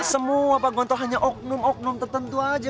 semua pak gontor hanya oknum oknum tertentu aja